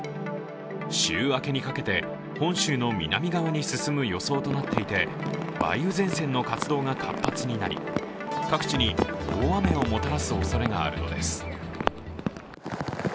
週明けにかけて本州の南側に進む予想となっていて梅雨前線の活動が活発になり各地に大雨をもたらすおそれがあるのです。